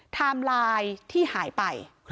ไทม์ไลน์ที่หายไป